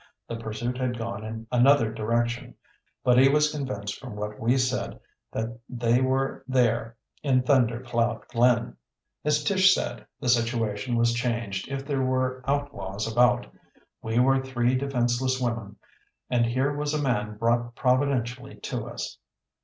The pursuit had gone in another direction, but he was convinced from what we said that they were there in Thunder Cloud Glen! As Tish said, the situation was changed if there were outlaws about. We were three defenseless women, and here was a man brought providentially to us!